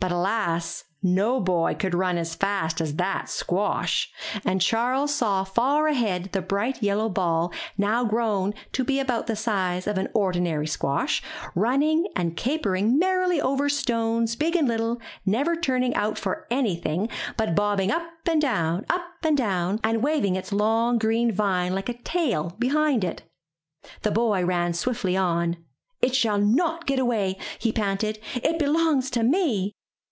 But, alas, no boy could run as fast as that squash, and Charles saw far ahead the bright yellow ball, now grown to be about the size of an ordinary squash, running and capering merrily over stones big and little, never turning out for anything, but bobbing up and down, up and down, and waving its long green vine like a tail behind it. The boy ran swiftly on. *'It shall not get away," he panted. It be longs to me."